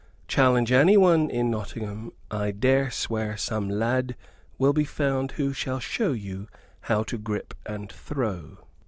Challenge anyone in Nottingham; I dare swear some lad will be found who shall show you how to grip and throw."